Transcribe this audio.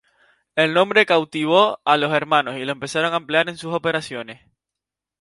El nombre cautivó a los hermanos y lo empezaron a emplear en sus operaciones.